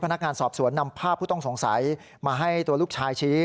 พนักงานสอบสวนนำภาพผู้ต้องสงสัยมาให้ตัวลูกชายชี้